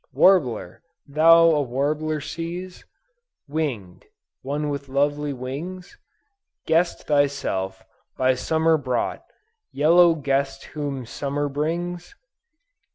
Warbler, thou a warbler seize? Winged, one with lovely wings? Guest thyself, by Summer brought, Yellow guest whom Summer brings?